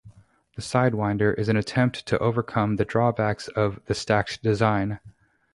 The Sidewinder is an attempt to overcome the drawbacks of the stacked design.